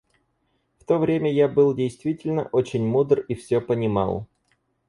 В то время я был действительно очень мудр и всё понимал.